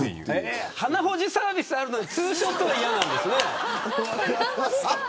鼻ほじサービスはあるのにツーショットは嫌なんですね。